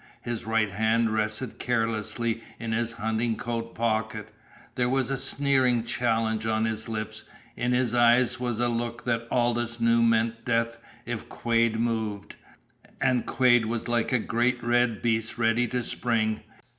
His right hand rested carelessly in his hunting coat pocket. There was a sneering challenge on his lips; in his eyes was a look that Aldous knew meant death if Quade moved. And Quade was like a great red beast ready to spring.